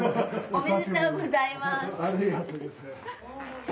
ありがとうございます。